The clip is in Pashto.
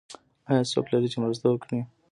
ایا څوک لرئ چې مرسته وکړي؟